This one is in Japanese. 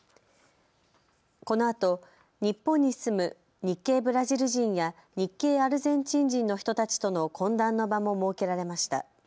このあと日本に住む日系ブラジル人や日系アルゼンチン人の人たちとの懇談の場も設けられました。